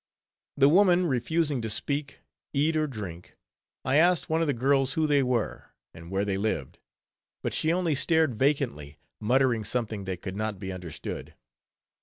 The woman refusing to speak, eat, or drink, I asked one of the girls who they were, and where they lived; but she only stared vacantly, muttering something that could not be understood.